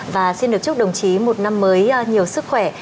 và xin được chúc đồng chí một năm mới nhiều sức khỏe